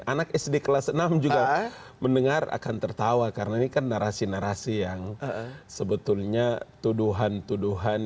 anak sd kelas enam juga mendengar akan tertawa karena ini kan narasi narasi yang sebetulnya tuduhan tuduhan